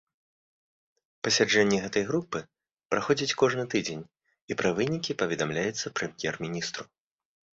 Пасяджэнні гэтай групы праходзяць кожны тыдзень, і пра вынікі паведамляецца прэм'ер-міністру.